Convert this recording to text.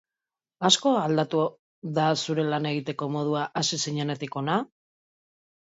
Asko aldatu da zure lan egiteko modua hasi zinenetik hona?